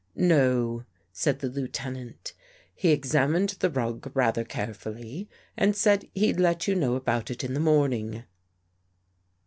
"" No," said the Lieutenant. " He examined the rug rather carefully and said he'd let you know about it in the morning."